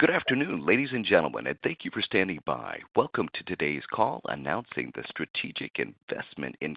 Good afternoon, ladies and gentlemen, and thank you for standing by. Welcome to today's call announcing the strategic investment in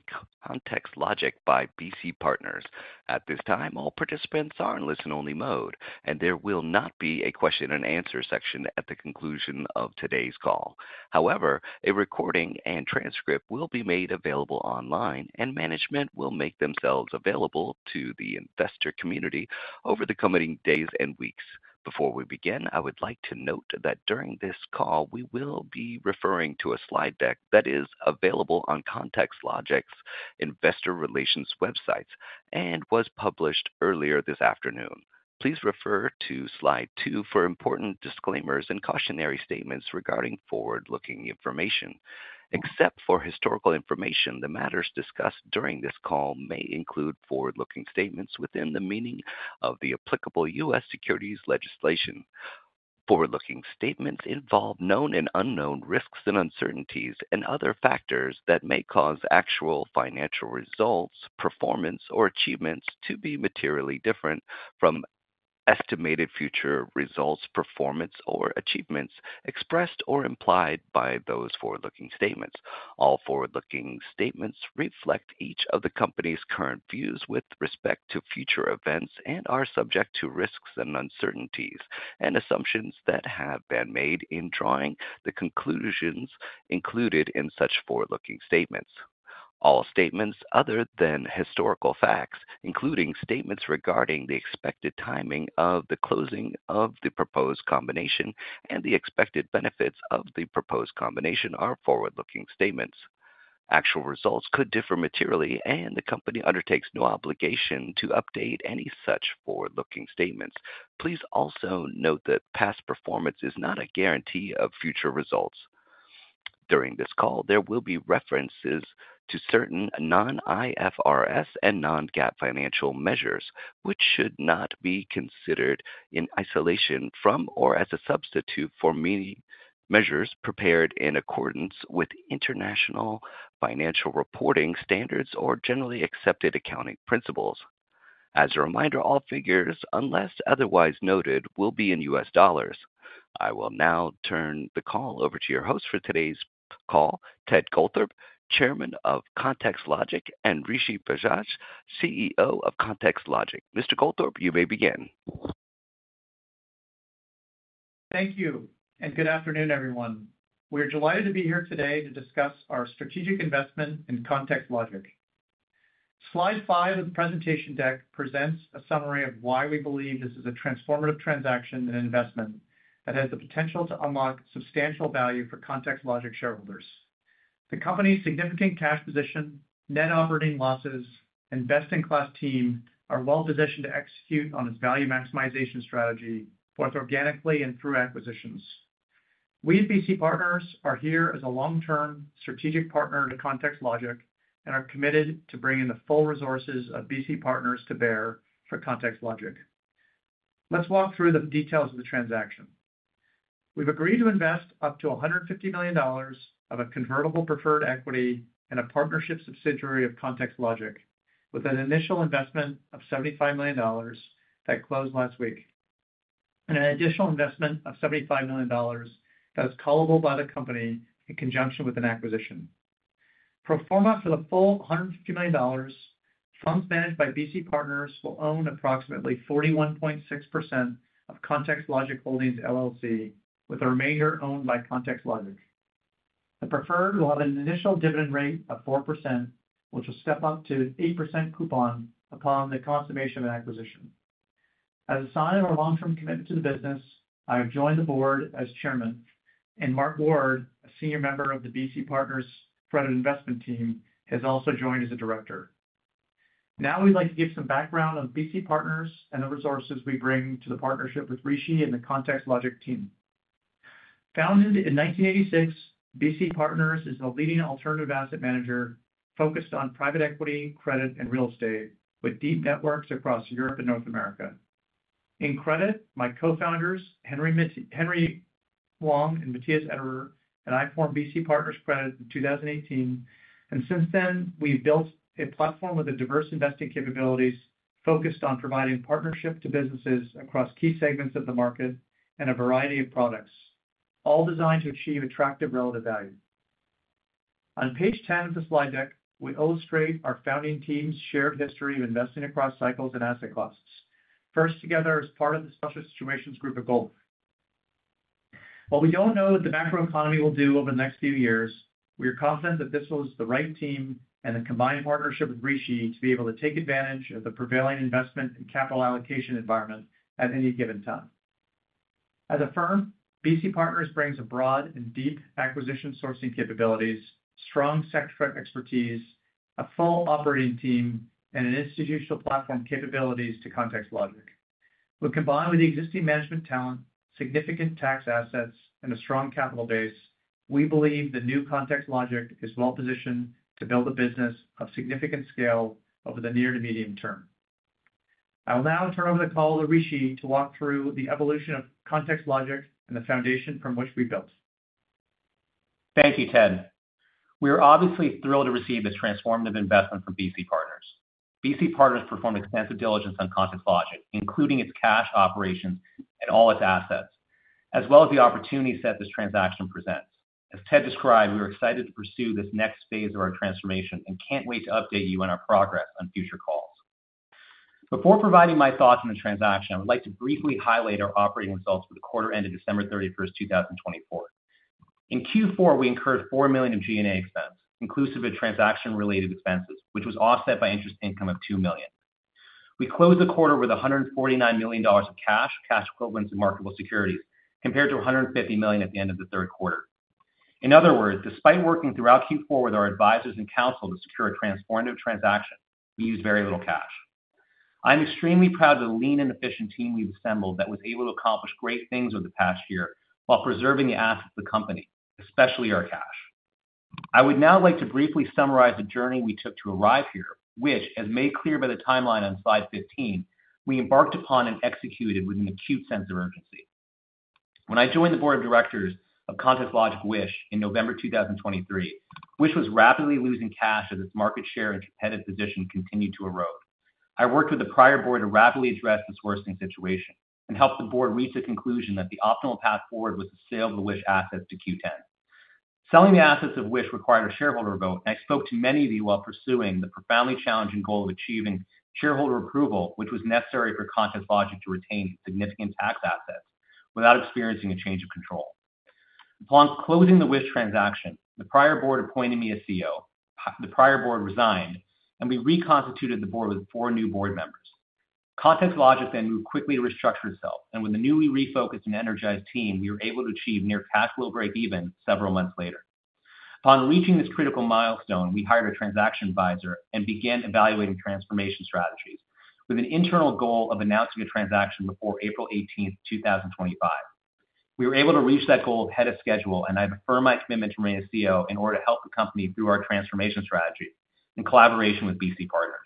ContextLogic by BC Partners. At this time, all participants are in listen-only mode, and there will not be a question-and-answer section at the conclusion of today's call. However, a recording and transcript will be made available online, and management will make themselves available to the investor community over the coming days and weeks. Before we begin, I would like to note that during this call, we will be referring to a slide deck that is available on ContextLogic's investor relations websites and was published earlier this afternoon. Please refer to slide 2 for important disclaimers and cautionary statements regarding forward-looking information. Except for historical information, the matters discussed during this call may include forward-looking statements within the meaning of the applicable U.S. securities legislation. Forward-looking statements involve known and unknown risks and uncertainties and other factors that may cause actual financial results, performance, or achievements to be materially different from estimated future results, performance, or achievements expressed or implied by those forward-looking statements. All forward-looking statements reflect each of the company's current views with respect to future events and are subject to risks and uncertainties and assumptions that have been made in drawing the conclusions included in such forward-looking statements. All statements other than historical facts, including statements regarding the expected timing of the closing of the proposed combination and the expected benefits of the proposed combination, are forward-looking statements. Actual results could differ materially, and the company undertakes no obligation to update any such forward-looking statements. Please also note that past performance is not a guarantee of future results. During this call, there will be references to certain non-IFRS and non-GAAP financial measures, which should not be considered in isolation from or as a substitute for measures prepared in accordance with International Financial Reporting Standards or Generally Accepted Accounting Principles. As a reminder, all figures, unless otherwise noted, will be in U.S. dollars. I will now turn the call over to your host for today's call, Ted Goldthorpe, Chairman of ContextLogic, and Rishi Bajaj, CEO of ContextLogic. Mr. Goldthorpe, you may begin. Thank you, and good afternoon, everyone. We're delighted to be here today to discuss our strategic investment in ContextLogic. Slide 5 of the presentation deck presents a summary of why we believe this is a transformative transaction and investment that has the potential to unlock substantial value for ContextLogic shareholders. The company's significant cash position, net operating losses, and best-in-class team are well-positioned to execute on its value maximization strategy both organically and through acquisitions. We at BC Partners are here as a long-term strategic partner to ContextLogic and are committed to bringing the full resources of BC Partners to bear for ContextLogic. Let's walk through the details of the transaction. We've agreed to invest up to $150 million of a convertible preferred equity in a partnership subsidiary of ContextLogic, with an initial investment of $75 million that closed last week, and an additional investment of $75 million that is callable by the company in conjunction with an acquisition. Pro forma for the full $150 million, funds managed by BC Partners will own approximately 41.6% of ContextLogic Holdings, with the remainder owned by ContextLogic. The preferred will have an initial dividend rate of 4%, which will step up to an 8% coupon upon the consummation of an acquisition. As a sign of our long-term commitment to the business, I have joined the board as Chairman, and Mark Ward, a senior member of the BC Partners investment team, has also joined as a Director. Now we'd like to give some background on BC Partners and the resources we bring to the partnership with Rishi and the ContextLogic team. Founded in 1986, BC Partners is a leading alternative asset manager focused on private equity, credit, and real estate, with deep networks across Europe and North America. In credit, my co-founders, Henry Wang and Matthias Ederer, and I formed BC Partners Credit in 2018, and since then, we've built a platform with diverse investing capabilities focused on providing partnership to businesses across key segments of the market and a variety of products, all designed to achieve attractive relative value. On page 10 of the slide deck, we illustrate our founding team's shared history of investing across cycles and asset classes, first together as part of the Special Situations Group at Goldman. While we don't know what the macroeconomy will do over the next few years, we are confident that this was the right team and the combined partnership with Rishi to be able to take advantage of the prevailing investment and capital allocation environment at any given time. As a firm, BC Partners brings broad and deep acquisition sourcing capabilities, strong sector expertise, a full operating team, and institutional platform capabilities to ContextLogic. When combined with the existing management talent, significant tax assets, and a strong capital base, we believe the new ContextLogic is well-positioned to build a business of significant scale over the near to medium term. I will now turn over the call to Rishi to walk through the evolution of ContextLogic and the foundation from which we built. Thank you, Ted. We are obviously thrilled to receive this transformative investment from BC Partners. BC Partners performed extensive diligence on ContextLogic, including its cash operations and all its assets, as well as the opportunity set this transaction presents. As Ted described, we are excited to pursue this next phase of our transformation and can't wait to update you on our progress on future calls. Before providing my thoughts on the transaction, I would like to briefly highlight our operating results for the quarter ended December 31, 2024. In Q4, we incurred $4 million of G&A expense, inclusive of transaction-related expenses, which was offset by interest income of $2 million. We closed the quarter with $149 million of cash, cash equivalents, and marketable securities, compared to $150 million at the end of the third quarter. In other words, despite working throughout Q4 with our advisors and counsel to secure a transformative transaction, we used very little cash. I'm extremely proud of the lean and efficient team we've assembled that was able to accomplish great things over the past year while preserving the assets of the company, especially our cash. I would now like to briefly summarize the journey we took to arrive here, which, as made clear by the timeline on slide 15, we embarked upon and executed with an acute sense of urgency. When I joined the board of directors of ContextLogic Wish in November 2023, Wish was rapidly losing cash as its market share and competitive position continued to erode. I worked with the prior board to rapidly address this worsening situation and helped the board reach the conclusion that the optimal path forward was to sell the Wish assets to Qoo10. Selling the assets of Wish required a shareholder vote, and I spoke to many of you while pursuing the profoundly challenging goal of achieving shareholder approval, which was necessary for ContextLogic to retain significant tax assets without experiencing a change of control. Upon closing the Wish transaction, the prior board appointed me as CEO, the prior board resigned, and we reconstituted the board with four new board members. ContextLogic then moved quickly to restructure itself, and with a newly refocused and energized team, we were able to achieve near cash flow break-even several months later. Upon reaching this critical milestone, we hired a transaction advisor and began evaluating transformation strategies with an internal goal of announcing a transaction before April 18th, 2025. We were able to reach that goal ahead of schedule, and I affirm my commitment to remain a CEO in order to help the company through our transformation strategy in collaboration with BC Partners.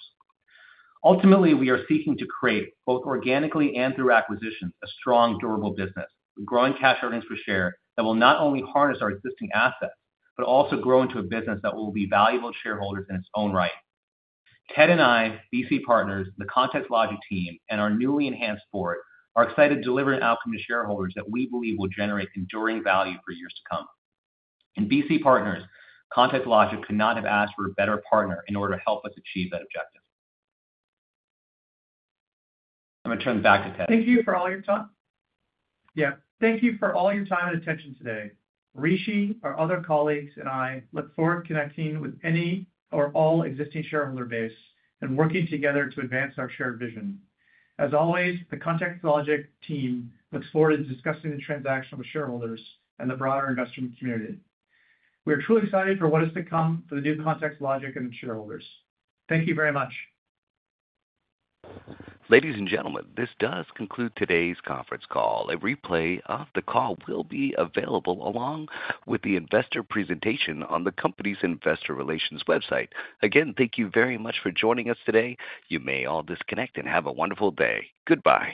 Ultimately, we are seeking to create both organically and through acquisitions a strong, durable business with growing cash earnings per share that will not only harness our existing assets but also grow into a business that will be valuable to shareholders in its own right. Ted and I, BC Partners, the ContextLogic team, and our newly enhanced board are excited to deliver an outcome to shareholders that we believe will generate enduring value for years to come. In BC Partners, ContextLogic could not have asked for a better partner in order to help us achieve that objective. I'm going to turn it back to Ted. Thank you for all your time. Thank you for all your time and attention today. Rishi, our other colleagues, and I look forward to connecting with any or all existing shareholder base and working together to advance our shared vision. As always, the ContextLogic team looks forward to discussing the transaction with shareholders and the broader investment community. We are truly excited for what is to come for the new ContextLogic and its shareholders. Thank you very much. Ladies and gentlemen, this does conclude today's conference call. A replay of the call will be available along with the investor presentation on the company's investor relations website. Again, thank you very much for joining us today. You may all disconnect and have a wonderful day. Goodbye.